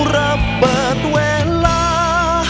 รับเปิดเวลา